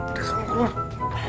ada semua orang